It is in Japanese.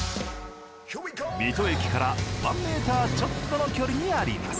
水戸駅からワンメーターちょっとの距離にあります。